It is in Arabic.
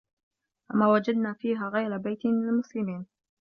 فَما وَجَدنا فيها غَيرَ بَيتٍ مِنَ المُسلِمينَ